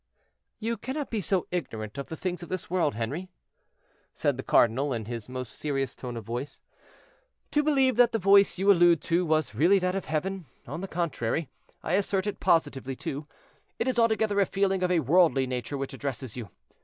"You cannot be so ignorant of the things of this world, Henri," said the cardinal, in his most serious tone of voice, "to believe that the voice you allude to was really that of Heaven; on the contrary—I assert it positively, too—it is altogether a feeling of a worldly nature which addresses you.